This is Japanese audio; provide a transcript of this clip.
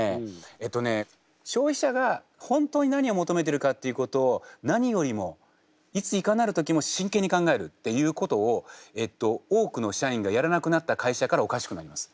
えっとね消費者が本当に何を求めてるかっていうことを何よりもいついかなる時も真剣に考えるっていうことを多くの社員がやらなくなった会社からおかしくなります。